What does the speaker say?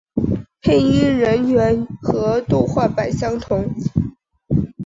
配音人员和动画版相同。